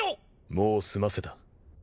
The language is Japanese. もう済ませた。